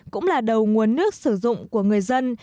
cũng là đầu nguồn nước sử dụng của người dân